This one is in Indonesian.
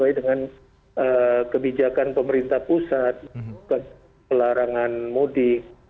baik dengan kebijakan pemerintah pusat pelarangan mudik